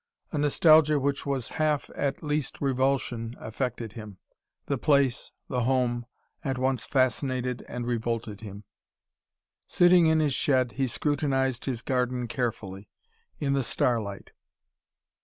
A nostalgia which was half at least revulsion affected him. The place, the home, at once fascinated and revolted him. Sitting in his shed, he scrutinised his garden carefully, in the starlight.